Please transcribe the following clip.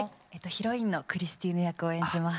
ヒロインのクリスティーヌ役を演じます。